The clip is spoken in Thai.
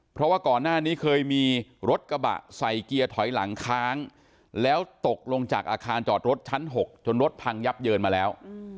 เพราะว่าก่อนหน้านี้เคยมีรถกระบะใส่เกียร์ถอยหลังค้างแล้วตกลงจากอาคารจอดรถชั้น๖จนรถพังยับเยินมาแล้ว